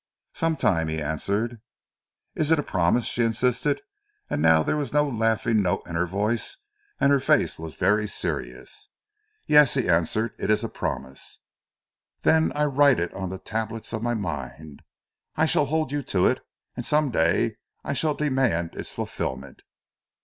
"Some time!" he answered. "It is a promise," she insisted and now there was no laughing note in her voice, and her face was very serious. "Yes," he answered, "it is a promise." "Then I write it on the tablets of my mind. I shall hold you to it, and some day I shall demand its fulfilment."